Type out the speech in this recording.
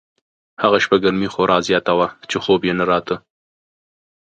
هغه شپه ګرمي خورا زیاته وه چې خوب یې نه راته.